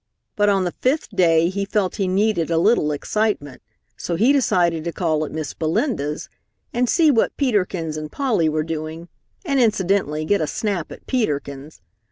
But on the fifth day he felt he needed a little excitement, so he decided to call at Miss Belinda's, and see what Peter Kins and Polly were doing and incidentally get a snap at Peter Kins.